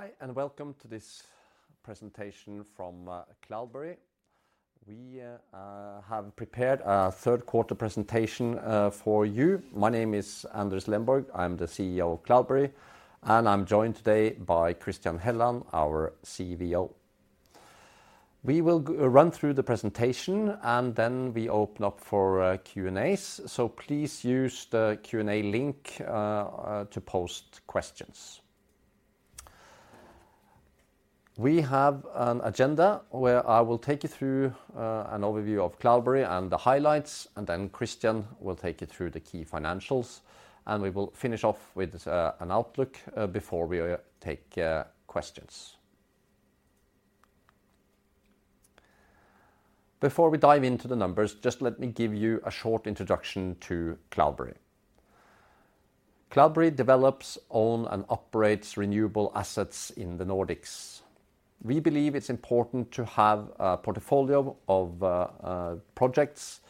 Hi, welcome to this presentation from Cloudberry. We have prepared a third quarter presentation for you. My name is Anders Lenborg. I'm the CEO of Cloudberry, and I'm joined today by Christian Helland, our CVO. We will run through the presentation, and then we open up for Q&As. Please use the Q&A link to post questions. We have an agenda where I will take you through an overview of Cloudberry and the highlights, and then Christian will take you through the key financials, and we will finish off with an outlook before we take questions. Before we dive into the numbers, just let me give you a short introduction to Cloudberry. Cloudberry develops, owns, and operates renewable assets in the Nordics. We believe it's important to have a portfolio of projects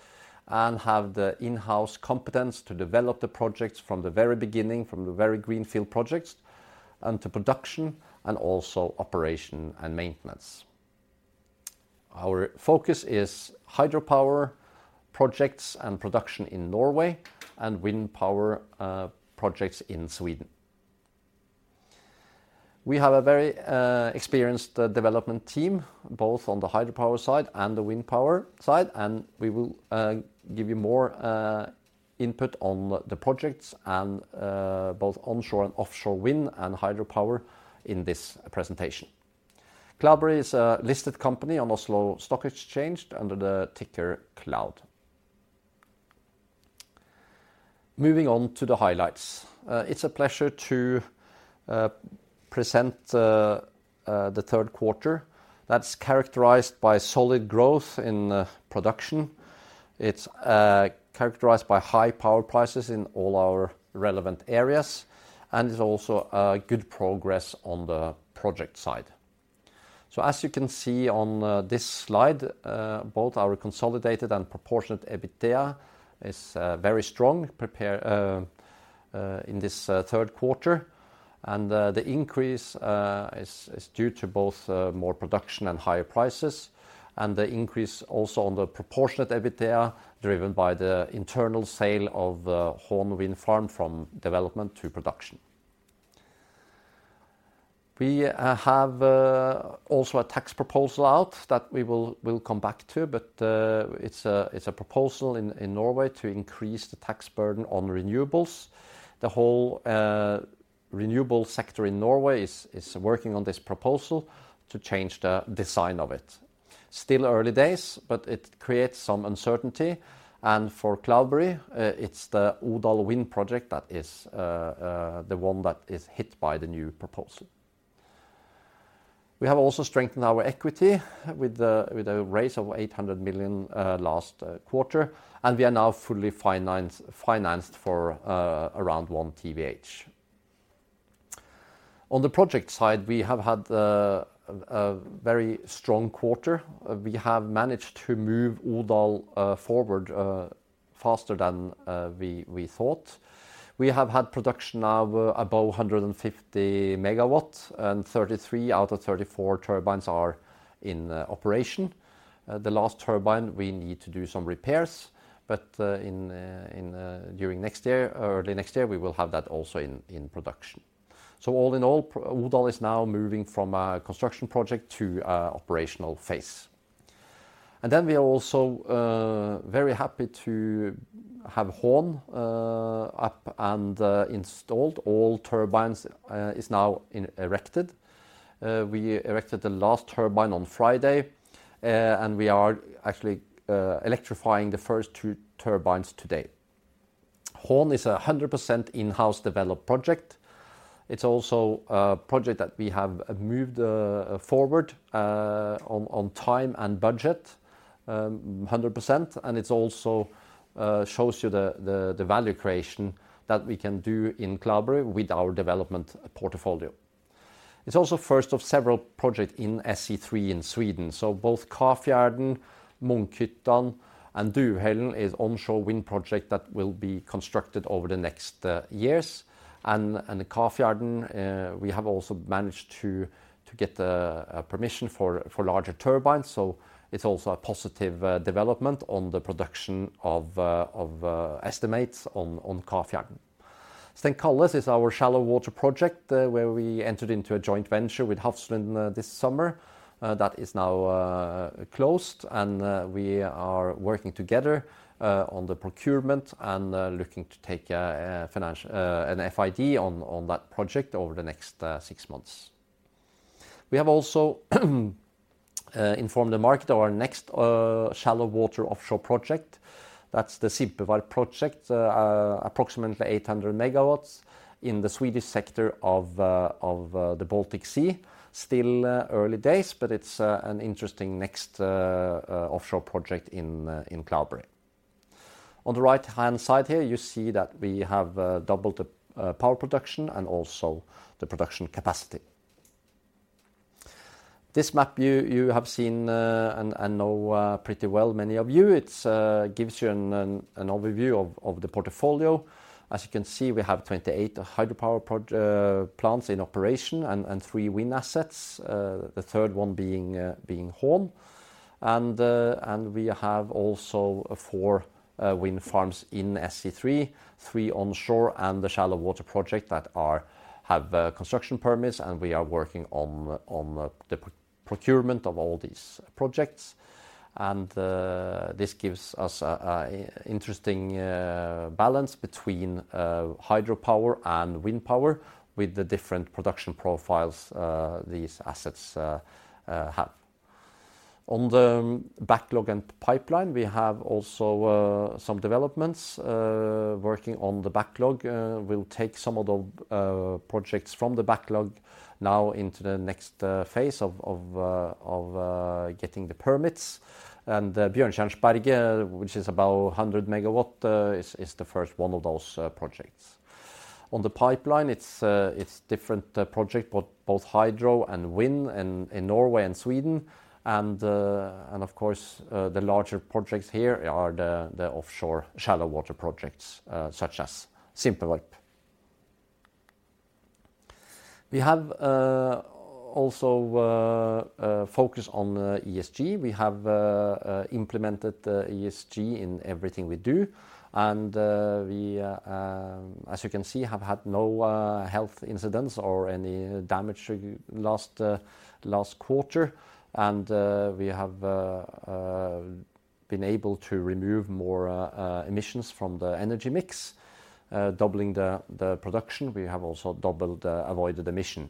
and have the in-house competence to develop the projects from the very beginning, from the very greenfield projects, and to production and also operation and maintenance. Our focus is hydropower projects and production in Norway and wind power projects in Sweden. We have a very experienced development team, both on the hydropower side and the wind power side, and we will give you more input on the projects and both onshore and offshore wind and hydropower in this presentation. Cloudberry is a listed company on Oslo Stock Exchange under the ticker Cloud. Moving on to the highlights. It's a pleasure to present the third quarter that's characterized by solid growth in production. It's characterized by high power prices in all our relevant areas, and it's also a good progress on the project side. As you can see on this slide, both our consolidated and proportionate EBITDA is very strong performance in this third quarter. The increase is due to both more production and higher prices, and the increase also on the proportionate EBITDA driven by the internal sale of the Horn wind farm from development to production. We have also a tax proposal out that we will come back to but it's a proposal in Norway to increase the tax burden on renewables. The whole renewable sector in Norway is working on this proposal to change the design of it. Still early days, but it creates some uncertainty. For Cloudberry, it's the Udal wind project that is the one that is hit by the new proposal. We have also strengthened our equity with a raise of 800 million last quarter, and we are now fully financed for around 1 TWh. On the project side, we have had a very strong quarter. We have managed to move Udal forward faster than we thought. We have had production now above 150 MW and 33 out of 34 turbines are in operation. The last turbine, we need to do some repairs, but in during next year, early next year, we will have that also in production. All in all, Udal is now moving from a construction project to an operational phase. We are also very happy to have Horn up and installed. All turbines is now erected. We erected the last turbine on Friday, and we are actually electrifying the first two turbines today. Horn is a 100% in-house developed project. It's also a project that we have moved forward on time and budget, 100%. It also shows you the value creation that we can do in Cloudberry with our development portfolio. It's also first of several project in SE3 in Sweden. Both Kafjärden, Munkhyttan, and Duvhällen is onshore wind project that will be constructed over the next years. The Kafjärden, we have also managed to get the permission for larger turbines. It's also a positive development on the production estimates on Kafjärden. Stenkalles is our shallow water project, where we entered into a joint venture with Hafslund this summer that is now closed, and we are working together on the procurement and looking to take a financial FID on that project over the next six months. We have also informed the market of our next shallow water offshore project. That's the Simpevarp project, approximately 800 MW in the Swedish sector of the Baltic Sea. Still early days, but it's an interesting next offshore project in Cloudberry. On the right-hand side here, you see that we have doubled the power production and also the production capacity. This map you have seen and know pretty well, many of you. It gives you an overview of the portfolio. As you can see, we have 28 hydropower plants in operation and three wind assets. The third one being Horn. We have also four wind farms in SE3, three onshore, and the shallow water project that have construction permits, and we are working on the procurement of all these projects. This gives us interesting balance between hydropower and wind power with the different production profiles these assets have. On the backlog and pipeline, we have also some developments. Working on the backlog, we'll take some of the projects from the backlog now into the next phase of getting the permits. Bjørnkjærsberget, which is about 100 MW, is the first one of those projects. On the pipeline, it's different projects, both hydro and wind in Norway and Sweden, and of course, the larger projects here are the offshore shallow water projects, such as Simpevarp. We also have focus on ESG. We have implemented ESG in everything we do. As you can see, we have had no health incidents or any damage last quarter. We have been able to remove more emissions from the energy mix, doubling the production. We have also doubled avoided emission.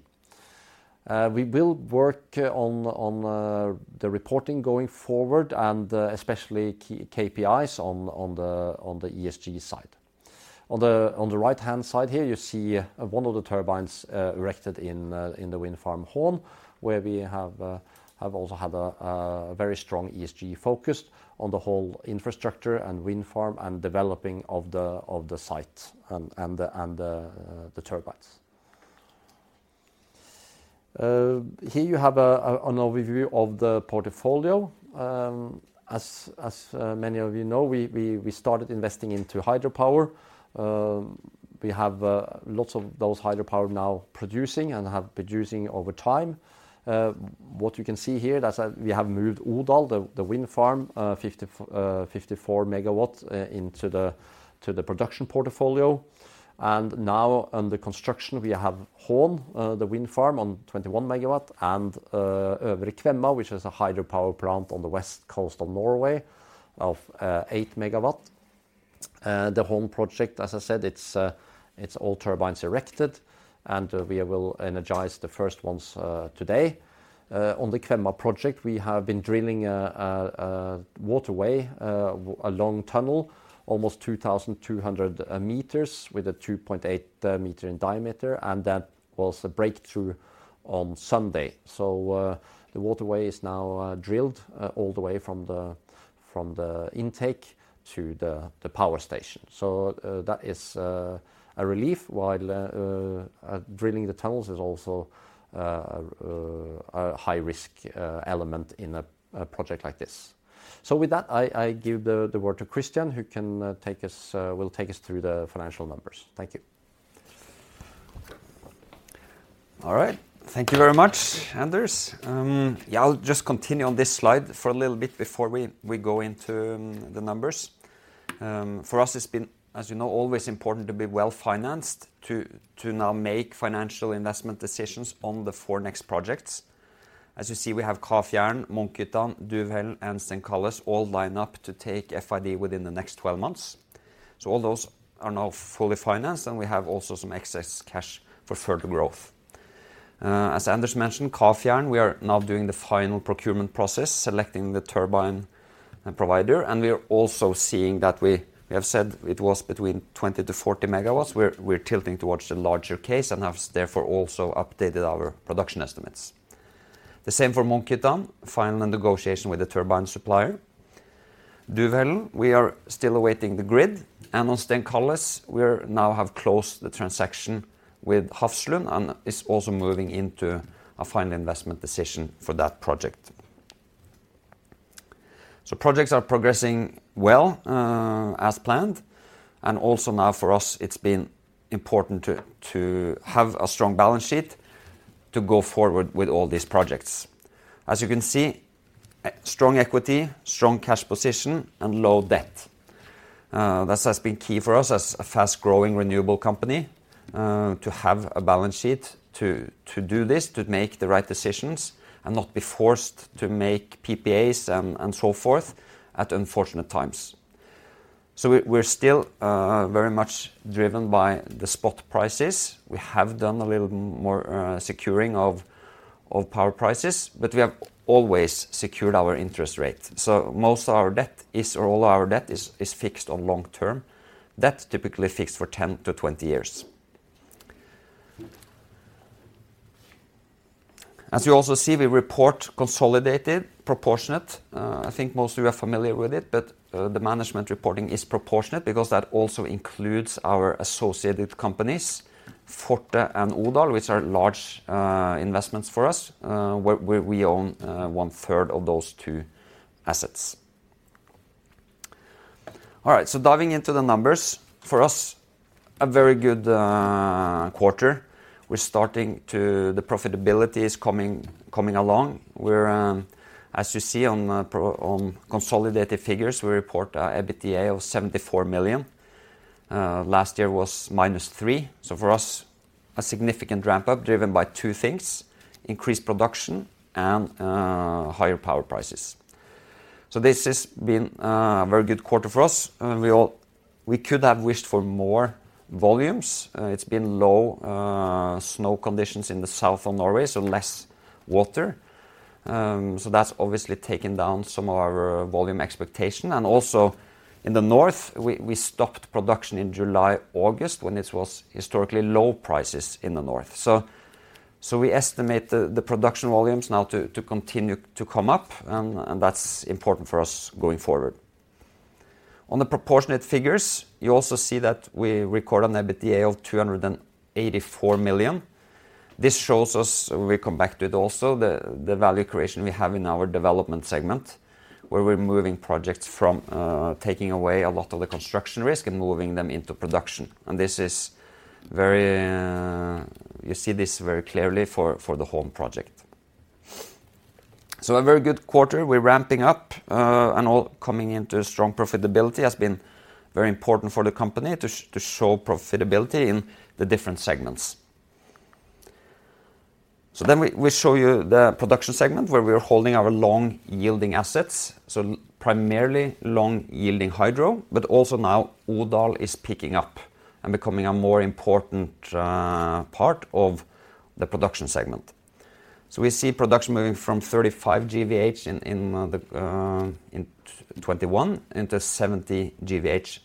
We will work on the reporting going forward and especially KPIs on the ESG side. On the right-hand side here, you see one of the turbines erected in the wind farm Horn, where we have also had a very strong ESG focus on the whole infrastructure and wind farm and developing of the site and the turbines. Here you have an overview of the portfolio. As many of you know, we started investing into hydropower. We have lots of those hydropower now producing and have producing over time. What you can see here, that's we have moved Udal, the wind farm, 54 MW into the production portfolio. Now under construction we have Horn, the wind farm on 21 MW, and Øvre Kvemma, which is a hydropower plant on the west coast of Norway of 8 MW. The Horn project, as I said, it's all turbines erected, and we will energize the first ones today. On the Kvemma project, we have been drilling a waterway, a long tunnel, almost 2,200 meters with a 2.8 meter in diameter, and that was a breakthrough on Sunday. The waterway is now drilled all the way from the intake to the power station. That is a relief while drilling the tunnels is also a high risk element in a project like this. With that, I give the word to Christian who will take us through the financial numbers. Thank you. All right. Thank you very much, Anders. I'll just continue on this slide for a little bit before we go into the numbers. For us, it's been, as you know, always important to be well-financed to now make financial investment decisions on the four next projects. As you see, we have Kafjärden, Munkhyttan, Duvhällen, and Stenkalles Grund all lined up to take FID within the next 12 months. All those are now fully financed, and we have also some excess cash for further growth. As Anders mentioned, Kafjärden, we are now doing the final procurement process, selecting the turbine and provider, and we are also seeing that we have said it was between 20-40 MW. We're tilting towards the larger case and have therefore also updated our production estimates. The same for Munkhyttan, final negotiation with the turbine supplier. Duvhällen, we are still awaiting the grid. On Stenkalles Grund we've now closed the transaction with Hafslund and are also moving into a final investment decision for that project. Projects are progressing well, as planned, and also now for us it's been important to have a strong balance sheet to go forward with all these projects. As you can see, strong equity, strong cash position, and low debt. That has been key for us as a fast growing renewable company, to have a balance sheet to do this, to make the right decisions and not be forced to make PPAs and so forth at unfortunate times. We're still very much driven by the spot prices. We have done a little more securing of power prices, but we have always secured our interest rate. Most of our debt is, or all our debt is, fixed long-term. That's typically fixed for 10-20 years. As you also see, we report consolidated proportionate. I think most of you are familiar with it, but the management reporting is proportionate because that also includes our associated companies, Forte and Udal, which are large investments for us, where we own one-third of those two assets. All right, diving into the numbers. For us, a very good quarter. The profitability is coming along. As you see on consolidated figures, we report an EBITDA of 74 million. Last year was -3 million. For us, a significant ramp-up driven by two things, increased production and higher power prices. This has been a very good quarter for us. We could have wished for more volumes. It's been low snow conditions in the south of Norway, so less water. That's obviously taken down some of our volume expectation. In the north, we stopped production in July, August, when it was historically low prices in the north. We estimate the production volumes now to continue to come up, and that's important for us going forward. On the proportionate figures, you also see that we record an EBITDA of 284 million. This shows us, we come back to it also, the value creation we have in our development segment, where we're moving projects from taking away a lot of the construction risk and moving them into production. You see this very clearly for the Horn project. A very good quarter. We're ramping up and all coming into strong profitability has been very important for the company to show profitability in the different segments. We show you the production segment where we are holding our long-yielding assets, so primarily long-yielding hydro, but also now Udal is picking up and becoming a more important part of the production segment. We see production moving from 35 GWh in 2021 into 70 GWh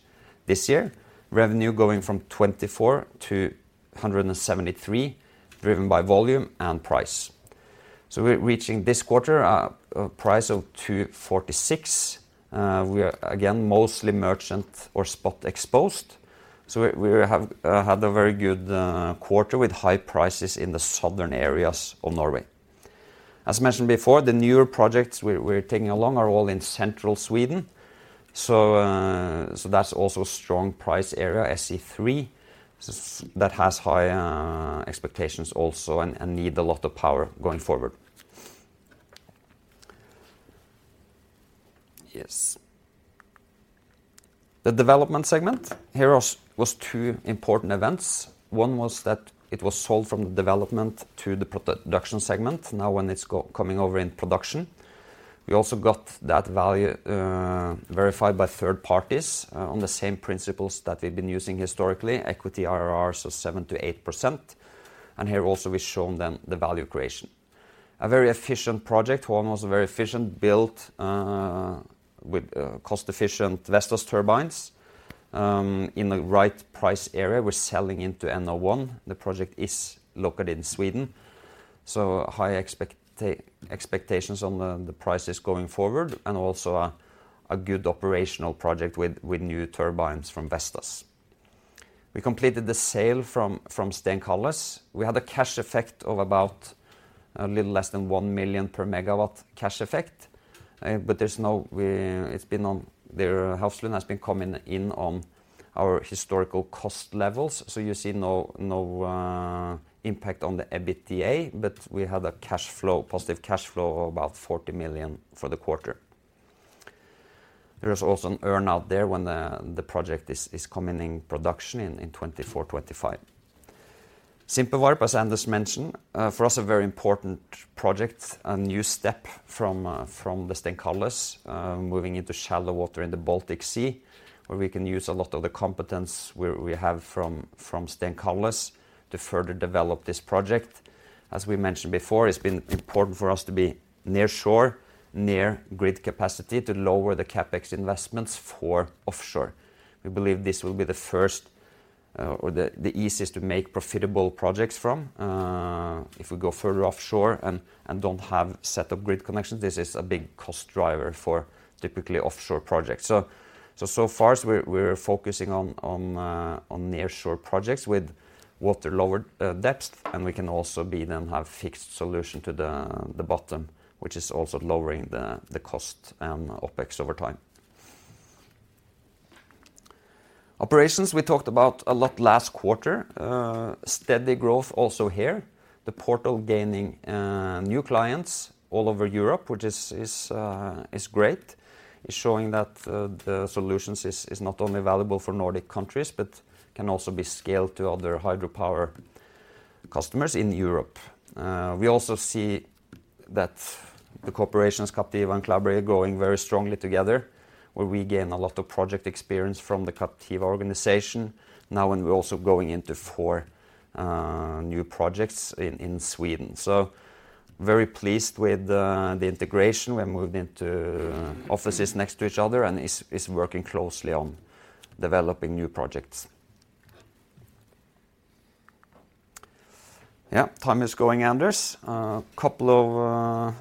this year. Revenue going from 24-173, driven by volume and price. We're reaching this quarter a price of 246. We are again mostly merchant or spot exposed. We have had a very good quarter with high prices in the southern areas of Norway. As mentioned before, the newer projects we're taking along are all in central Sweden, that's also a strong price area, SE3. That has high expectations also and needs a lot of power going forward. Yes. The development segment, there were two important events. One was that it was sold from the development to the production segment, now when it's coming over in production. We also got that value verified by third parties on the same principles that we've been using historically, equity IRR, 7%-8%. Here also we've shown then the value creation. A very efficient project. Horn was a very efficient build with cost-efficient Vestas turbines in the right price area. We're selling into NO1. The project is located in Sweden, so high expectations on the prices going forward and also a good operational project with new turbines from Vestas. We completed the sale from Stenkalles. We had a cash effect of about a little less than 1 million per megawatt cash effect, but Hafslund has been coming in on our historical cost levels, so you see no impact on the EBITDA, but we have a positive cash flow of about 40 million for the quarter. There is also an earn-out there when the project is coming into production in 2024-2025. Simpevarp, as Anders mentioned, for us a very important project, a new step from the Stenkalles Grund, moving into shallow water in the Baltic Sea, where we can use a lot of the competence we have from Stenkalles Grund to further develop this project. As we mentioned before, it's been important for us to be near shore, near grid capacity to lower the CapEx investments for offshore. We believe this will be the first or the easiest to make profitable projects from if we go further offshore and don't have set-up grid connections. This is a big cost driver for typical offshore projects. So far we're focusing on near-shore projects with lower water depth, and we can also then have fixed solution to the bottom, which is also lowering the cost and OPEX over time. Operations we talked about a lot last quarter. Steady growth also here. The portal gaining new clients all over Europe, which is great. It's showing that the solutions is not only valuable for Nordic countries but can also be scaled to other hydropower customers in Europe. We also see that the corporations Captiva and Cloudberry are growing very strongly together, where we gain a lot of project experience from the Captiva organization now and we're also going into four new projects in Sweden. Very pleased with the integration. We're moving into offices next to each other and is working closely on developing new projects. Yeah. Time is going, Anders. A couple of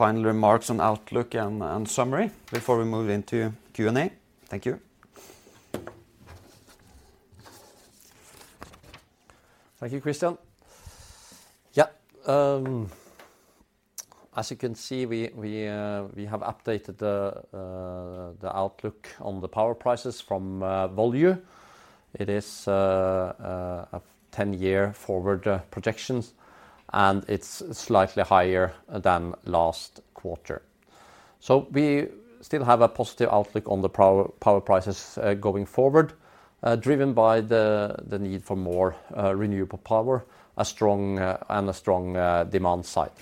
final remarks on outlook and summary before we move into Q&A. Thank you. Thank you, Christian. Yeah. As you can see, we have updated the outlook on the power prices from volume. It is a 10-year forward projections, and it's slightly higher than last quarter. We still have a positive outlook on the power prices going forward, driven by the need for more renewable power, a strong demand side.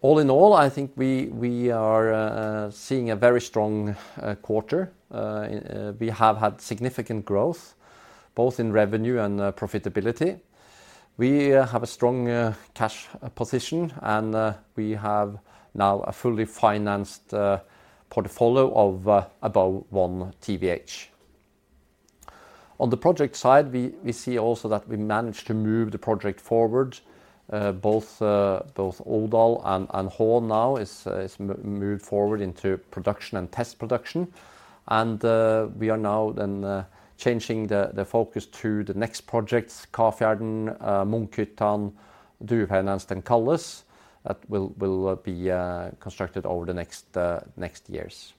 All in all, I think we are seeing a very strong quarter. We have had significant growth both in revenue and profitability. We have a strong cash position, and we have now a fully financed portfolio of about 1 TWh. On the project side, we see also that we managed to move the project forward, both Udal and Horn now is moved forward into production and test production. We are now then changing the focus to the next projects, Kafjärden, Munkhyttan, Duvhällen, and Kallis that will be constructed over the next years.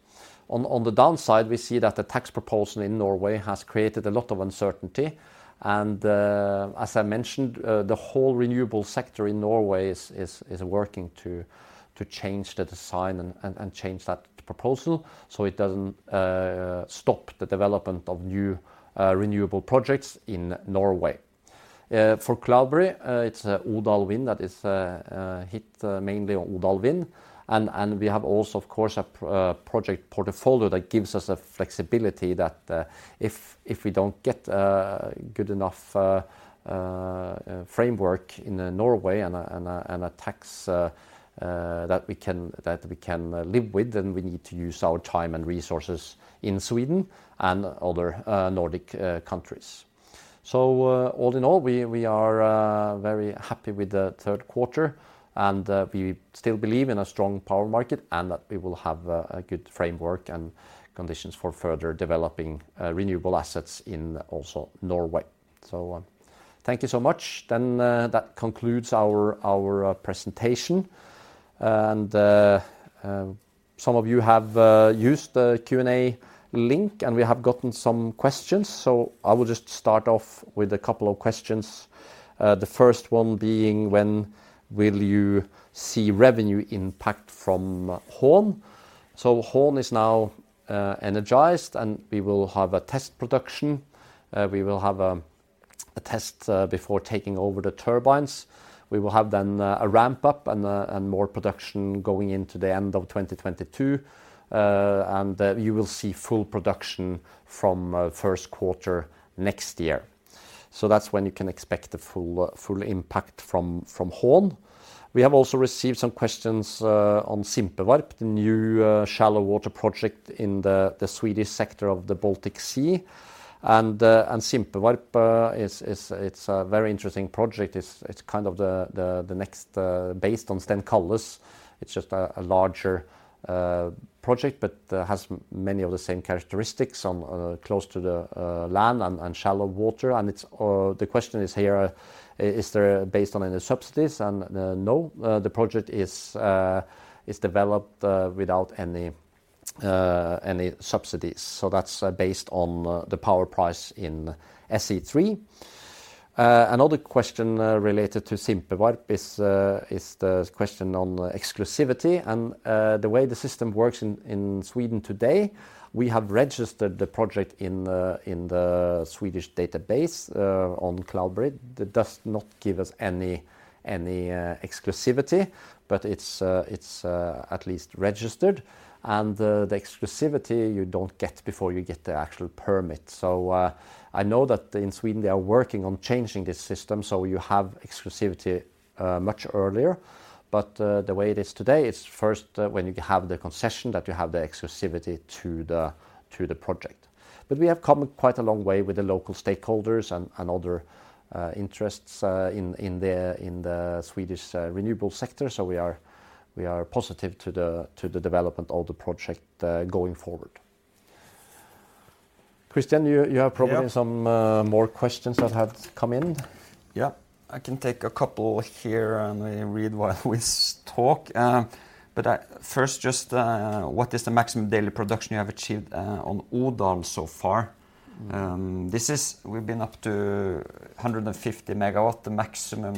On the downside, we see that the tax proposal in Norway has created a lot of uncertainty. As I mentioned, the whole renewable sector in Norway is working to change the design and change that proposal so it doesn't stop the development of new renewable projects in Norway. For Cloudberry, it's our wind that is hit mainly on our wind and we have also, of course, a project portfolio that gives us a flexibility that if we don't get a good enough framework in Norway and a tax that we can live with, then we need to use our time and resources in Sweden and other Nordic countries. All in all, we are very happy with the third quarter and we still believe in a strong power market and that we will have a good framework and conditions for further developing renewable assets in also Norway. Thank you so much. That concludes our presentation. Some of you have used the Q&A link, and we have gotten some questions, so I will just start off with a couple of questions. The first one being, when will you see revenue impact from Horn? Horn is now energized, and we will have a test production. We will have a test before taking over the turbines. We will have then a ramp-up and more production going into the end of 2022. You will see full production from first quarter next year. That's when you can expect the full impact from Horn. We have also received some questions on Simpevarp, the new shallow water project in the Swedish sector of the Baltic Sea. Simpevarp is a very interesting project. It's kind of the next based on Stenkalles Grund. It's just a larger project, but has many of the same characteristics of close to the land and shallow water. The question is here, is it based on any subsidies? No, the project is developed without any subsidies. That's based on the power price in SE3. Another question related to Simpevarp is the question on exclusivity and the way the system works in Sweden today. We have registered the project in the Swedish database under Cloudberry. That does not give us any exclusivity, but it's at least registered. The exclusivity you don't get before you get the actual permit. I know that in Sweden, they are working on changing this system so you have exclusivity much earlier. The way it is today, it's first when you have the concession that you have the exclusivity to the project. We have come quite a long way with the local stakeholders and other interests in the Swedish renewable sector. We are positive to the development of the project going forward. Christian, you have probably- Yeah. Some more questions that have come in. Yeah. I can take a couple here and read while we talk. What is the maximum daily production you have achieved on Udal so far? We've been up to 150 MW. The maximum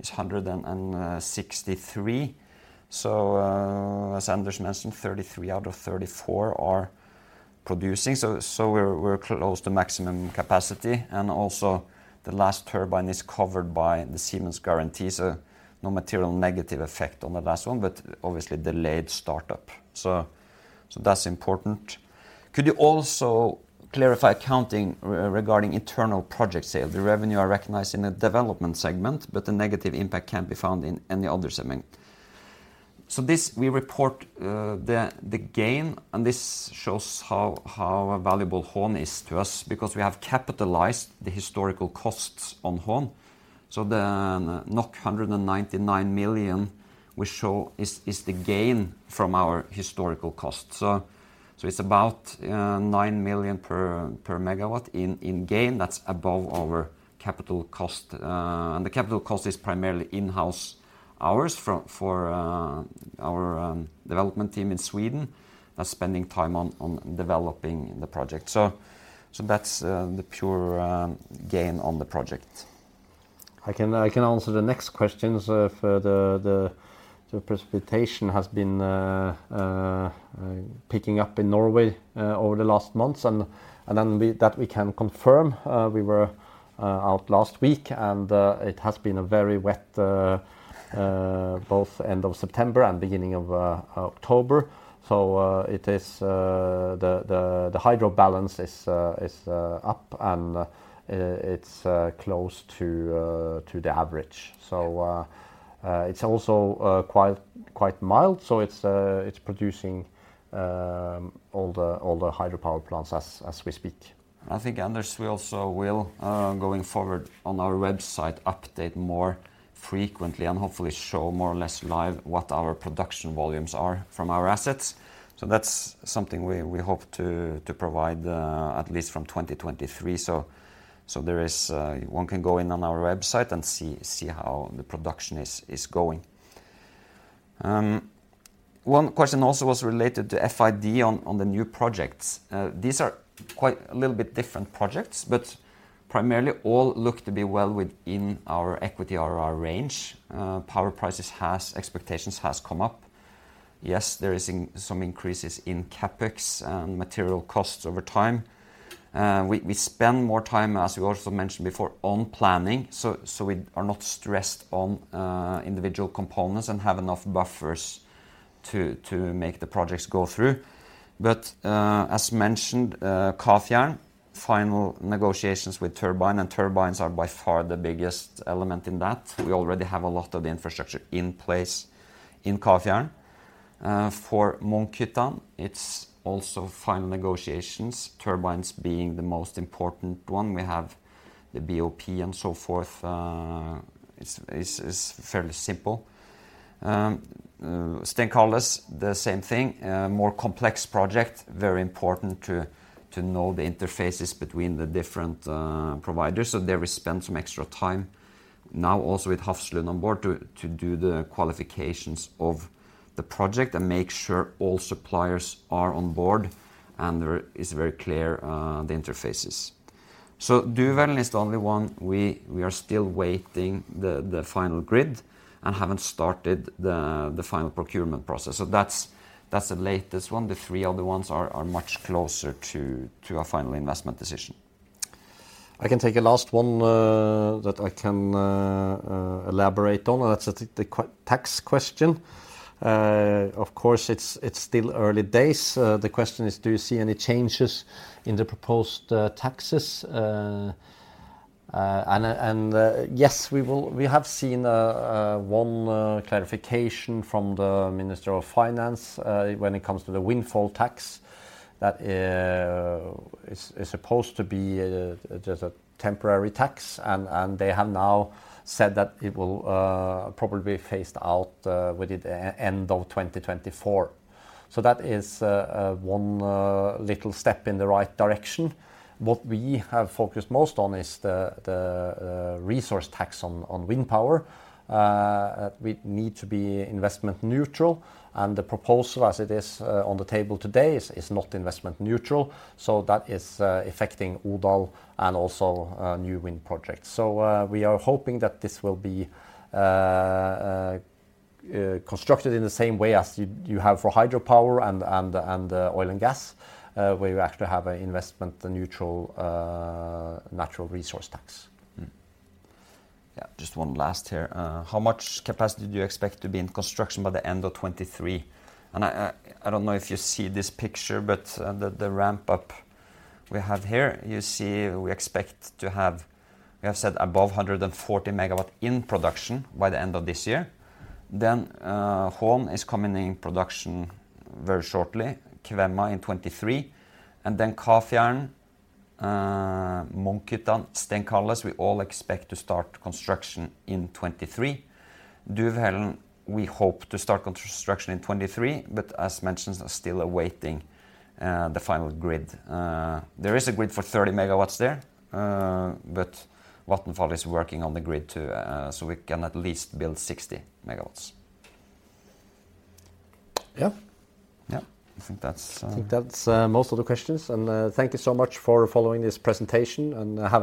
is 163. As Anders mentioned, 33 out of 34 are producing. We're close to maximum capacity. Also the last turbine is covered by the Siemens guarantee, so no material negative effect on the last one, but obviously delayed startup. That's important. Could you also clarify accounting regarding internal project sale? The revenue are recognized in the development segment, but the negative impact can't be found in any other segment. This we report, the gain and this shows how valuable Horn is to us because we have capitalized the historical costs on Horn. The 199 million we show is the gain from our historical cost. It's about 9 million per megawatt in gain. That's above our capital cost. The capital cost is primarily in-house hours for our development team in Sweden are spending time on developing the project. That's the pure gain on the project. I can answer the next questions for the precipitation has been picking up in Norway over the last months and that we can confirm. We were out last week, and it has been a very wet both end of September and beginning of October. The hydro balance is up and it's close to the average. It's also quite mild so it's producing all the hydropower plants as we speak. I think, Anders, we also will going forward on our website update more frequently and hopefully show more or less live what our production volumes are from our assets. That's something we hope to provide at least from 2023. One can go in on our website and see how the production is going. One question also was related to FID on the new projects. These are quite a little bit different projects, but primarily all look to be well within our equity IRR range. Power prices, expectations have come up. Yes, there are some increases in CapEx and material costs over time. We spend more time, as we also mentioned before, on planning, so we are not stressed on individual components and have enough buffers to make the projects go through. As mentioned, Kafjärden, final negotiations with turbine, and turbines are by far the biggest element in that. We already have a lot of the infrastructure in place in Kafjärden. For Munkhyttan, it's also final negotiations, turbines being the most important one. We have the BOP and so forth. It's fairly simple. Stenkalles Grund, the same thing, a more complex project, very important to know the interfaces between the different providers. There we spend some extra time now also with Hafslund on board to do the qualifications of the project and make sure all suppliers are on board, and there is very clear the interfaces. Duvhällen is the only one we are still waiting the final grid and haven't started the final procurement process. That's the latest one. The three other ones are much closer to a final investment decision. I can take a last one that I can elaborate on, and that's, I think, the tax question. Of course, it's still early days. The question is, do you see any changes in the proposed taxes? Yes, we will. We have seen one clarification from the Minister of Finance when it comes to the windfall tax that is supposed to be just a temporary tax. They have now said that it will probably be phased out with the end of 2024. That is one little step in the right direction. What we have focused most on is the resource tax on wind power. We need to be investment neutral, and the proposal as it is on the table today is not investment neutral. That is affecting Udal and also new wind projects. We are hoping that this will be constructed in the same way as you have for hydropower and oil and gas, where you actually have a investment neutral natural resource tax. Yeah, just one last here. How much capacity do you expect to be in construction by the end of 2023? I don't know if you see this picture, but the ramp up we have here, you see we expect to have, we have said above 140 megawatts in production by the end of this year. Horn is coming in production very shortly, Øvre Kvemma in 2023, and then Kafjärden, Munkhyttan, Stenkalles Grund, we all expect to start construction in 2023. Duvhällen we hope to start construction in 2023 but, as mentioned, are still awaiting the final grid. There is a grid for 30 megawatts there, but Vattenfall is working on the grid so we can at least build 60 megawatts. Yeah. Yeah. I think that's. I think that's most of the questions. Thank you so much for following this presentation, and have a-